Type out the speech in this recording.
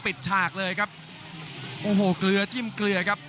ฉากเลยครับโอ้โหเกลือจิ้มเกลือครับ